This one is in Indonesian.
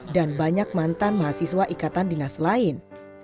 dan banyak mantan mahasiswa ikatan dinas lain